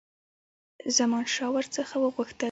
زمانشاه ور څخه وغوښتل.